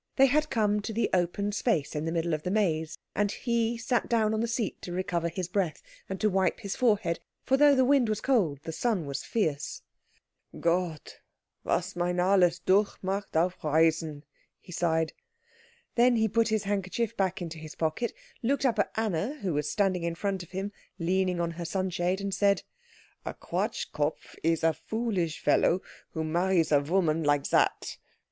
They had come to the open space in the middle of the maze, and he sat down on the seat to recover his breath, and to wipe his forehead; for though the wind was cold the sun was fierce. "Gott, was man Alles durchmacht auf Reisen!" he sighed. Then he put his handkerchief back into his pocket, looked up at Anna, who was standing in front of him leaning on her sunshade, and said, "A Quatschkopf is a foolish fellow who marries a woman like that."